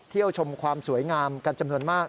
ชมความสวยงามกันจำนวนมาก